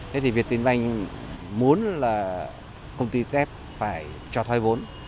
thế thì việt tín banh muốn là công ty tisco phải cho thoái vốn